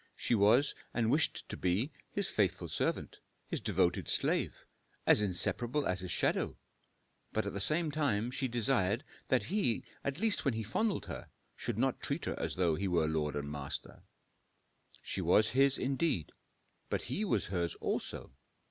She was and wished to be his faithful servant, his devoted slave, as inseparable as his shadow, but at the same time she desired that he, at least when he fondled her, should not treat her as though he were lord and master. She was his indeed, but he was hers also.